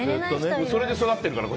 それで育ってるから。